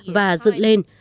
và dựng lên